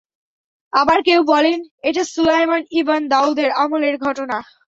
আবার কেউ বলেন, এটা সুলায়মান ইবন দাউদের আমলের ঘটনা।